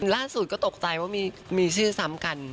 ล่าสุดก็ตกใจว่ามีชื่อซ้ำกัน